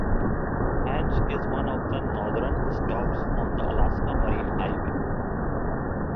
Haines is one of the northern stops on the Alaska Marine Highway.